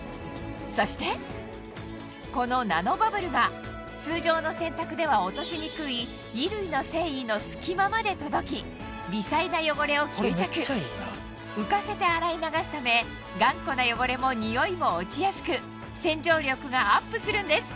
そしてこのナノバブルが通常の洗濯では落としにくい衣類の繊維の隙間まで届き微細な汚れを吸着浮かせて洗い流すため頑固な汚れも臭いも落ちやすく洗浄力がアップするんです